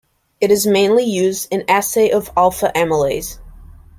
It is mainly used in assay of alpha-amylase.